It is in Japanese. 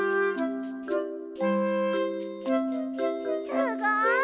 すごい！